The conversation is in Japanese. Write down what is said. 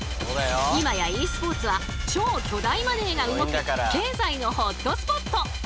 今やｅスポーツは超巨大マネーが動く経済のホットスポット。